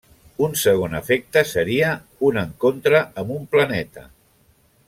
Un segon efecte seria un encontre amb un planeta.